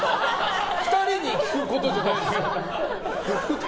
２人に聞くことじゃないです。